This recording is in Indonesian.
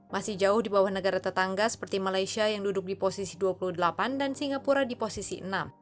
masih jauh di bawah negara tetangga seperti malaysia yang duduk di posisi dua puluh delapan dan singapura di posisi enam